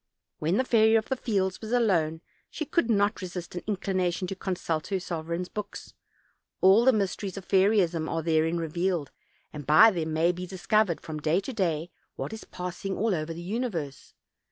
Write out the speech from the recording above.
When the Fairy of the Fields was alone she could not resist an inclination to consult her sovereign's books. All the mysteries of fairyism are therein revealed, and by them may be discovered, from day to day, what is pass ing all over the universe.